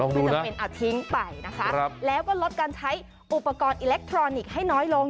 ลองดูนะทิ้งไปนะคะครับแล้วก็ลดการใช้อุปกรณ์อีเล็กทรอนิกส์ให้น้อยลง